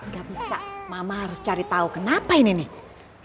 gak bisa mama harus cari tahu kenapa ini nih